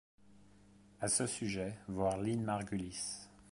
À ce sujet, voir Lynn Margulis.